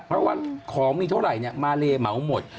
เพราะว่าของมีเท่าไหร่มาเลเหมาหมด